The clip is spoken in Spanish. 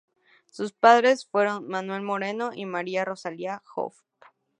Sus padres fueron Manuel Moreno y María Rosalía Jove.